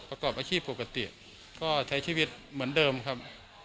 ประกอบอาชีพปกติก็ใช้ชีวิตเหมือนเดิมครับ